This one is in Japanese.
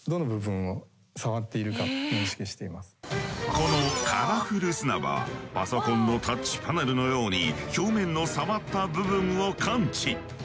このカラフル砂場はパソコンのタッチパネルのように表面の触った部分を感知。